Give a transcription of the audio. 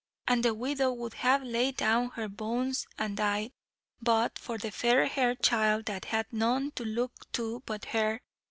And the widow would have laid down her bones and died, but for the fair haired child that had none to look to but her.